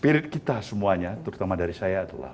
spirit kita semuanya terutama dari saya adalah